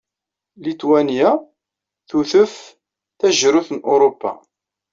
Litwanya tutef tajrut n Europa